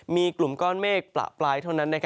มีกลุ่มก้อนเมฆประปรายเท่านั้น